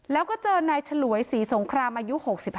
แล้วก็เจอนายฉลวยศรีสงครามอายุ๖๕